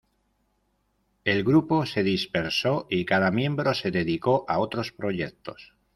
El grupo se dispersó y cada miembro se dedicó a otros proyectos.